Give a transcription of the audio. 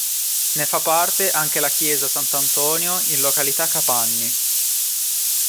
Ne fa parte anche la chiesa Sant'Antonio in località Capanni.